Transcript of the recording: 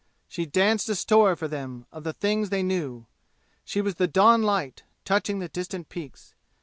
She danced a story for them of the things they knew. She was the dawn light, touching the distant peaks.